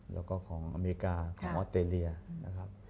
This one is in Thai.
แล้วก็ของอเมริกาของออสเตรเลียนะครับ